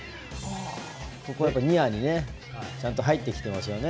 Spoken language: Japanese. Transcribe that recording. ニアにちゃんと入ってきてますよね。